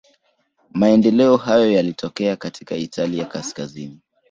Maendeleo hayo yalitokea katika Italia kaskazini.